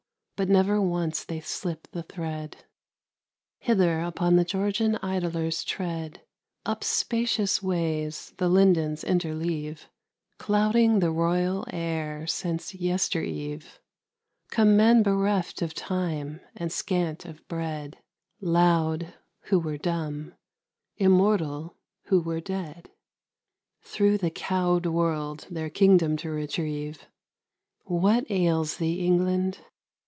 but never once they slip the thread. Hither, upon the Georgian idlers' tread, Up spacious ways the lindens interleave, Clouding the royal air since yester eve, Come men bereft of time, and scant of bread, Loud, who were dumb, immortal, who were dead, Through the cowed world their kingdom to retrieve. What ails thee, England?